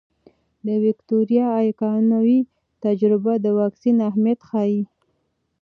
د ویکتوریا ایکانوي تجربه د واکسین اهمیت ښيي.